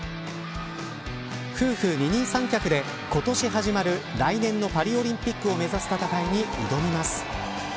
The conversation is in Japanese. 夫婦二人三脚で、今年始まる来年のパリオリンピックを目指す戦いに挑みます。